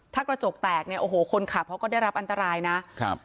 ถ้ากระจกแตกเนี่ยโอ้โหคนขับเขาก็ได้รับอันตรายนะครับ